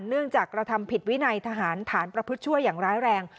เนื่องจากกระทำผิดวินัยทหารฐานประพฤติชั่วยังร้ายแรง